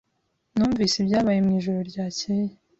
Numvise ibyabaye mwijoro ryakeye.